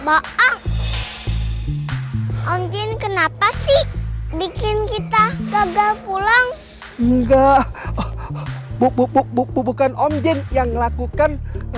om jin kenapa sih bikin kita gagal pulang enggak buk buk bukan om jin yang lakukan